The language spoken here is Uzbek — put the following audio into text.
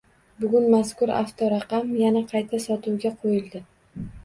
Bugun mazkur avtoraqam yana qayta sotuvga qoʻyildi.